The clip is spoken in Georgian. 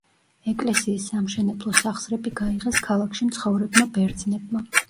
ეკლესიის სამშენებლო სახსრები გაიღეს ქალაქში მცხოვრებმა ბერძნებმა.